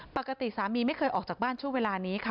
ปกติสามีไม่เคยออกจากบ้านช่วงเวลานี้ค่ะ